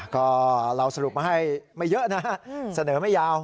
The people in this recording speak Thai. ก็เราสรุปมาให้ไม่เยอะนะเสนอไม่ยาว